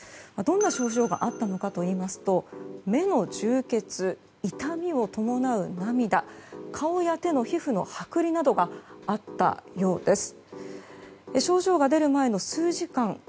どんな症状があったのかといいますと目の充血、痛みを伴う涙顔や手の皮膚の剥離などがあったようです。